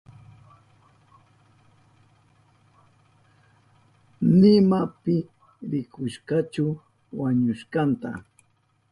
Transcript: Nima pi rikushkachu wañushkanta.